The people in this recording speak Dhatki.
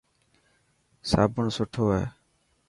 صابڻ سٺو هي.